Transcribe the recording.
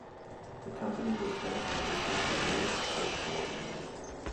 The company was set up by Richard Turner and Chris Thornton.